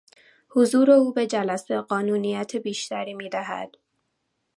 حضور او به جلسه قانونیت بیشتری میدهد.